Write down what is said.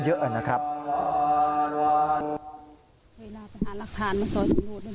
เวลาไปหาหลักฐานมาช่วยตำรวจหน่อย